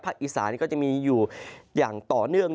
อีสานก็จะมีอยู่อย่างต่อเนื่อง